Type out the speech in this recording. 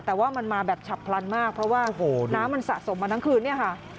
แต่ว่ามันมาแบบฉับพลันมากเพราะว่าน้ำมันสะสมมาทั้งคืนเนี่ยค่ะ